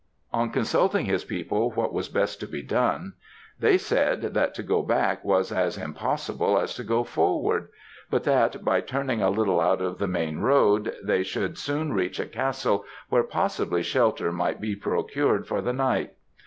On consulting his people what was best to be done, they said, that to go back was as impossible as to go forward; but that by turning a little out of the main road, they should soon reach a castle where possibly shelter might be procured for the night.